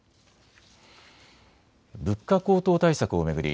物価高騰対策を巡り